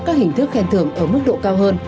các hình thức khen thưởng ở mức độ cao hơn